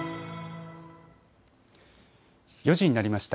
４時になりました。